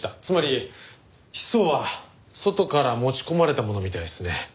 つまりヒ素は外から持ち込まれたものみたいですね。